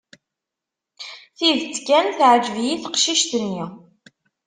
Tidet kan, teɛǧeb-iyi teqcict-nni.